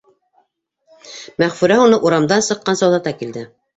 — Мәғфүрә уны урамдан сыҡҡансы оҙата килде.